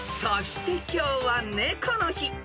［そして今日は猫の日］